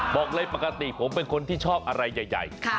บอกเลยปกติผมเป็นคนที่ชอบอะไรใหญ่